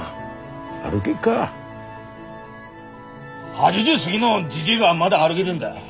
８０過ぎのじじいがまだ歩げでんだ。